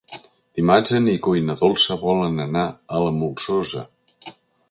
Dimarts en Nico i na Dolça volen anar a la Molsosa.